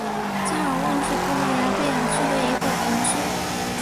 加尔旺是葡萄牙贝雅区的一个堂区。